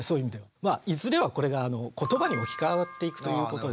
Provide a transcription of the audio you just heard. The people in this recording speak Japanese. いずれはこれが言葉に置きかわっていくということです。